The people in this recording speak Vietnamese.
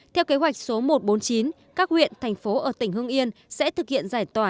theo kế hoạch số một trăm bốn mươi chín các huyện thành phố ở tỉnh hưng yên sẽ thực hiện giải tỏa